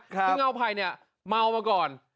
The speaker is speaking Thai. ซึ่งเงาไผ่เนี่ยเมามาก่อน